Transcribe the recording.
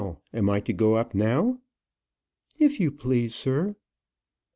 Am I to go up now?" "If you please, sir."